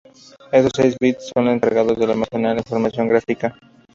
Estos seis bits son los encargados de almacenar la información gráfica.